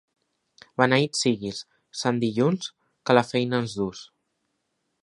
Beneït siguis, sant dilluns, que la feina ens duus.